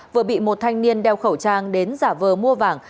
nàng niên đeo khẩu trang đến giả vờ mua vàng